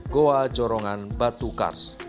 goa jorongan batu kars